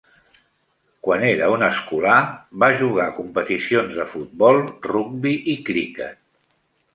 Quan era un escolar va jugar competicions de futbol, rugbi i cricket.